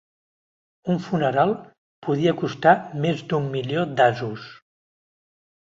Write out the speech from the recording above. Un funeral podia costar més d'un milió d'asos.